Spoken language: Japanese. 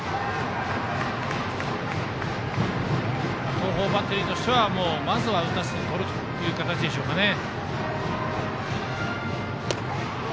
東邦バッテリーとしてはまずは打たせてとる形ですかね。